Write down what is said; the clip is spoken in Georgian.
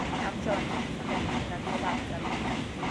ამჟამად ჩანთოსან დათვებზე ნადირობა აკრძალულია.